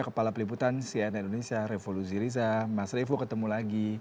kepala peliputan cnn indonesia revolusi riza mas revo ketemu lagi